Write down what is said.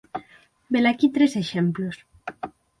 Velaquí tres exemplos